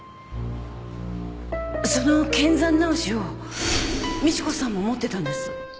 その剣山直しを美知子さんも持ってたんです。